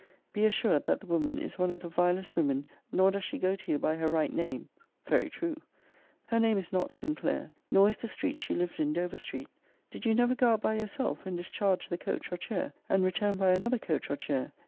Be assured that the woman is one of the vilest women nor does she go to you by her right name [Very true!] Her name is not Sinclair, nor is the street she lives in Dover street. Did you never go out by your self, and discharge the coach or chair, and return >>> by another coach or chair?